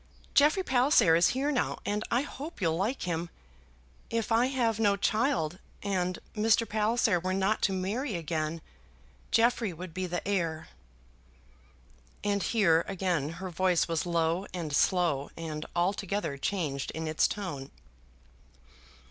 Jeffrey Palliser is here now, and I hope you'll like him. If I have no child, and Mr. Palliser were not to marry again, Jeffrey would be the heir." And here again her voice was low and slow, and altogether changed in its tone.